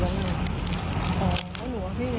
ขาย